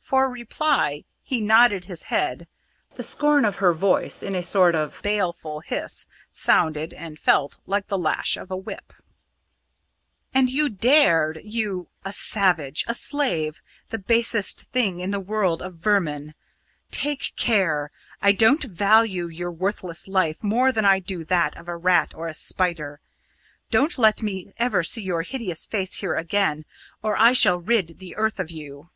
For reply he nodded his head. The scorn of her voice, in a sort of baleful hiss, sounded and felt like the lash of a whip. "And you dared! you a savage a slave the basest thing in the world of vermin! Take care! I don't value your worthless life more than I do that of a rat or a spider. Don't let me ever see your hideous face here again, or I shall rid the earth of you."